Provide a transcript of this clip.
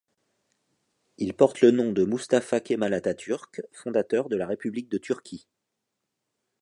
Il porte le nom de Mustafa Kemal Atatürk, fondateur de la république de Turquie.